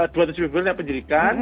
dua puluh dua desember naik penyidikan